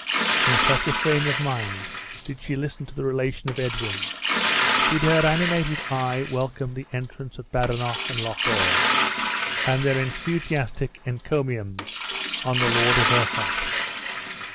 In such a frame of mind did she listen to the relation of Edwin; did her animated eye welcome the entrance of Badenoch and Loch awe, and their enthusiastic encomiums on the lord of her heart.